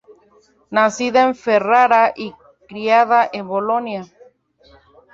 Nacida en Ferrara y criada en Bolonia.